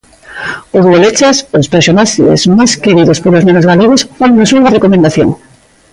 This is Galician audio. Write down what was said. Os Bolechas, os personaxes máis queridos polos nenos galegos, fannos unha recomendación.